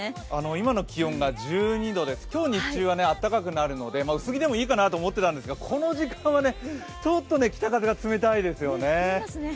今の気温が１２度で、今日日中は暖かくなるので薄着でもいいかなと思っていたんですがこの時間はちょっと北風が冷たいですよね。